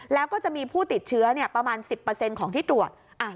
แล้วก็จะมีผู้ติดเชื้อประมาณ๑๐ของที่ตรวจ